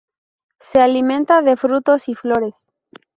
Se alimenta de frutos y flores.